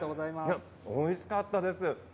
おいしかったです。